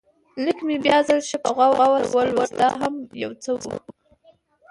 لیک مې بیا ځل ښه په غور سره ولوست، دا هم یو څه و.